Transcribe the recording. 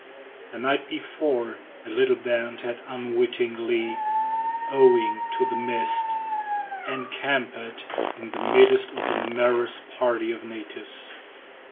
The night before, the little band had unwittingly, owing to the mist, encamped in the midst of a numerous party of natives.